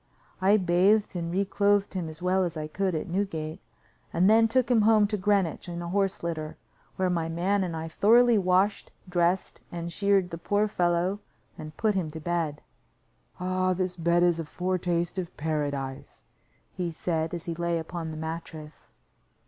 I bathed and reclothed him as well as I could at Newgate, and then took him home to Greenwich in a horse litter, where my man and I thoroughly washed, dressed and sheared the poor fellow and put him to bed. "Ah! this bed is a foretaste of paradise," he said, as he lay upon the mattress.